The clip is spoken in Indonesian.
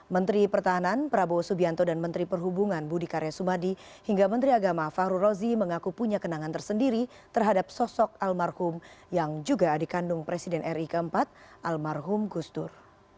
menteri pertahanan prabowo subianto dan menteri perhubungan budi karya sumadi hingga menteri agama fahru rozi mengaku punya kenangan tersendiri terhadap sosok almarhum yang juga adik kandung presiden ri keempat almarhum gusdur